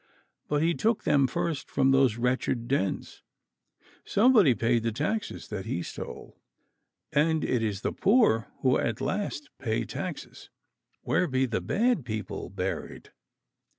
But he took them first from those wretched dens. Somebody paid the taxes that he stole, and it is the poor who at last pay taxes. Where be the bad people buried?